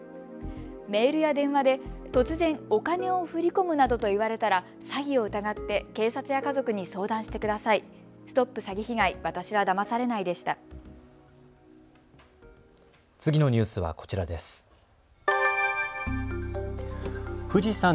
メールや電話で突然、お金を振り込むなどと言われたら詐欺を疑って警察や家族に相談してください。